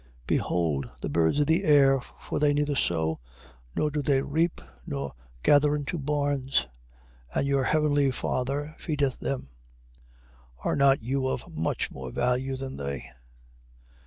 6:26. Behold the birds of the air, for they neither sow, nor do they reap, nor gather into barns: and your heavenly Father feedeth them. Are not you of much more value than they?